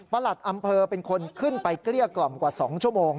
หลัดอำเภอเป็นคนขึ้นไปเกลี้ยกล่อมกว่า๒ชั่วโมง